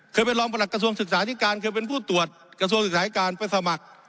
เคยเป็นรองประหลักกระทรวงศึกษาธิการเคยเป็นผู้ตรวจกระทรวงศึกษาธิการไปสมัคร